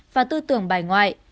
và tư tưởng bài ngoại